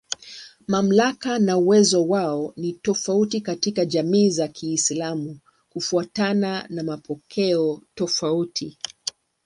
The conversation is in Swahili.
Mamlaka na uwezo wao ni tofauti katika jamii za Kiislamu kufuatana na mapokeo tofauti.